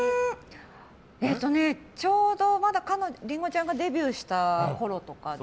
ちょうど、まだ林檎ちゃんがデビューしたころとかで。